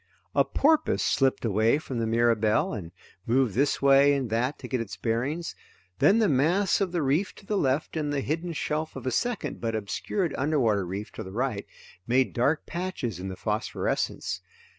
A porpoise slipped away from the Mirabelle and moved this way and that to get its bearings. Then the mass of the reef to the left and the hidden shelf of a second but obscured underwater reef to the right made dark patches in the phosphorescence.